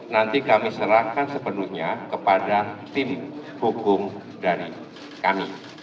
nanti kami serahkan sepenuhnya kepada tim hukum dari kami